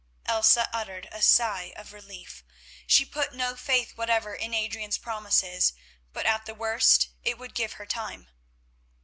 Elsa uttered a sigh of relief. She put no faith whatever in Adrian's promises, but at the worst it would give her time.